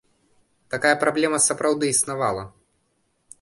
Такая праблема сапраўды існавала.